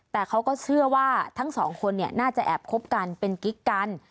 แต่เขาก็เชื่อว่าทั้งสองคนน่าจะแอบคบกันเป็นกิ๊กกัน